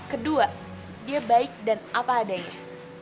kedua dia baik dan apa adanya